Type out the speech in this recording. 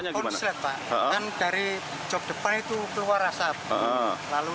api bisa sampai membesar itu